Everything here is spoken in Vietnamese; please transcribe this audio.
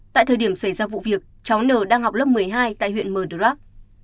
tại thời điểm xảy ra vụ việc cháu n đang học lớp một mươi hai tại huyện mờ rắc